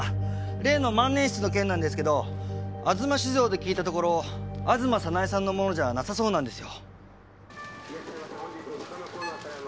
例の万年筆の件なんですけど吾妻酒造で聞いたところ吾妻早苗さんのものじゃなさそうなんですよ。